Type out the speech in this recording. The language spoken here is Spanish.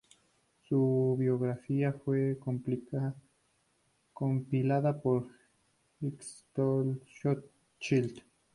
Su biografía fue compilada por Ixtlilxóchitl.